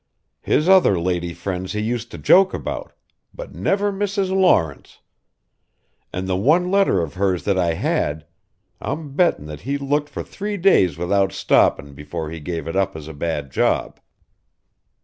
His other lady friends he used to joke about but never Mrs. Lawrence. An' the one letter of her's that I had I'm betting that he looked for three days without stopping before he gave it up as a bad job.